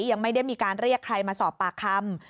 ยังไม่ได้มีการเรียกใครมาสอบปากคำ